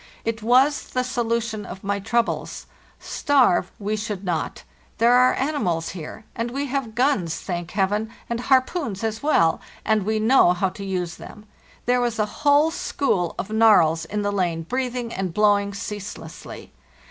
It was the solution of my troubles. Starve we should not; there are animals here, and we have guns, thank Heaven, and harpoons as well, and we know how to use them. There was a whole school of narwhals in the lane breathing and blowing ceaselessly.